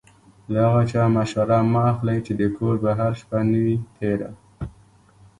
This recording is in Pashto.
له هغه چا مشوره مه اخلئ چې د کوره بهر شپه نه وي تېره.